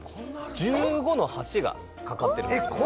１５の橋が架かってるんですえっ